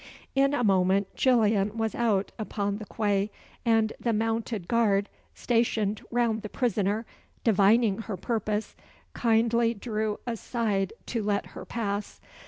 In a moment Gillian was out upon the quay; and the mounted guard stationed round the prisoner, divining her purpose, kindly drew aside to let her pass.